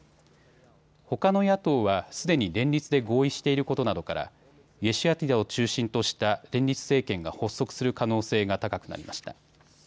ほかの野党はすでに連立で合意していることなどからイェシュアティドを中心とした連立政権が発足する可能性が高くなりました。